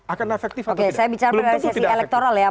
akan efektif atau tidak belum tentu tidak efektif